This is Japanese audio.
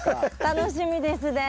楽しみですね。